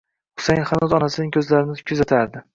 Husayin xanuz onasining ko'zlarini kuzatardi.